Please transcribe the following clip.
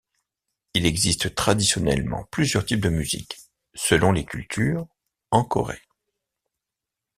Il existe traditionnellement plusieurs types de musiques, selon les cultures, en Corée.